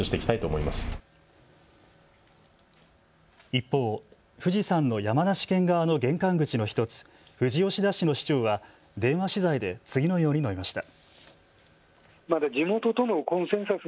一方、富士山の山梨県側の玄関口の１つ、富士吉田市の市長は電話取材で次のように述べました。